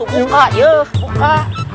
buka yuk buka